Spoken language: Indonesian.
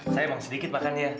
saya emang sedikit makan ya